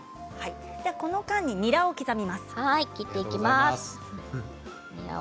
この間ににらを刻みます。